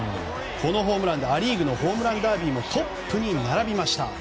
このホームランでア・リーグのホームランダービーもトップに並びました。